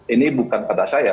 ini bukan kata saya